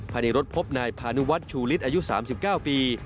พันธุ์ในรถพบนายพานุวัตรชูฤทธิ์อายุสามสิบเก้าปี